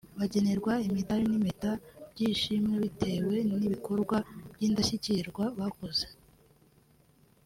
bagenerwa imidari n’impeta by’ishimwe bitewe n’ibikorwa by’indashyikirwa bakoze